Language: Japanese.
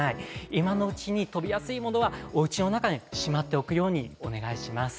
今のうちに飛びやすいものはおうちの中にしまっておくようにお願いします。